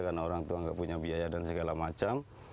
karena orang tua nggak punya biaya dan segala macam